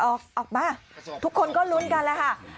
ออกสิออกมาทุกคนก็ลุ้นกันแล้อะฮะ